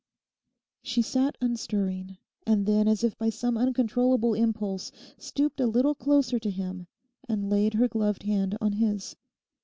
She sat unstirring; and then as if by some uncontrollable impulse stooped a little closer to him and laid her gloved hand on his.